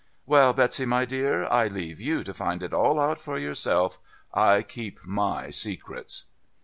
"Well, Betsy, my dear, I leave you to find it all out for yourself.... I keep my secrets."